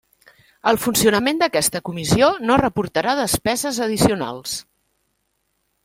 El funcionament d'aquesta Comissió no reportarà despeses addicionals.